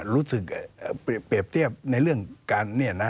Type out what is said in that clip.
รู้สึกเปรียบเทียบในเรื่องการเนี่ยนะ